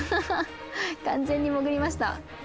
完全に潜りました。